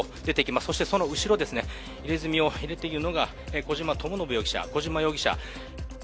そしてその後ろ、入れ墨を入れているのが小島智信容疑者、小島容疑者。